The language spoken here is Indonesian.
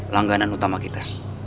langganan utama kita